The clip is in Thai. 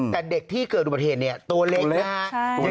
แต่เด็กที่เกิดอุปเถตตัวเล็กนะ